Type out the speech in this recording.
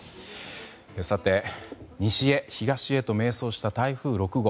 さて、西へ東へと迷走した台風６号。